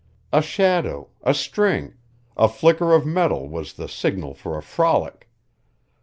A shadow, a string, a flicker of metal was the signal for a frolic.